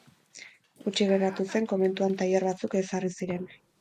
Hutsik geratu zen komentuan tailer batzuk ezarri ziren.